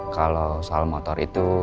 kalau soal motor itu